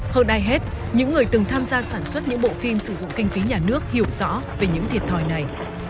hơn ai hết những người từng tham gia sản xuất những bộ phim sử dụng kinh phí nhà nước hiểu rõ về những thiệt thòi này